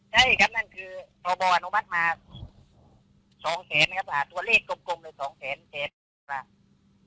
ใช่ครับนั่นคือมาสองแสนนะครับอ่ะตัวเลขกรมเลยสองแสนแสนบาร์